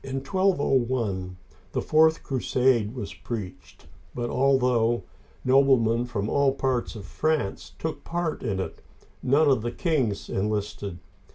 ^ In 1 201 the fourth crusade was preached, but, although noblemen from all parts of Europe took part in it, none of the kings enlisted.